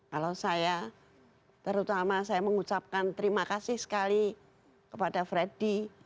kalau saya terutama saya mengucapkan terima kasih sekali kepada freddy